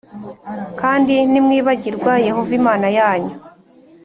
Kandi nimwibagirwa Yehova Imana yanyu,